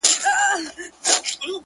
هيواد مي هم په ياد دى.